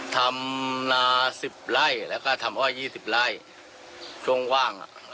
ทำนาสิบไร่แล้วก็ทำอ้อยยี่สิบไร่ช่วงว่างอ่ะ